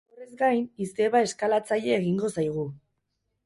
Horrez gain, izeba eskalatzaile egingo zaigu.